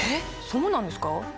そうなんですか？